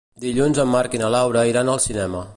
Dilluns en Marc i na Laura iran al cinema.